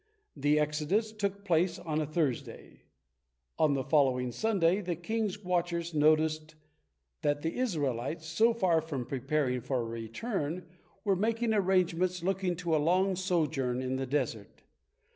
The exodus took place on a Thursday. On the following Sunday the king's watchers noticed that the Israelites, so far from preparing for a return, were making arrangements looking to a long sojourn in the desert.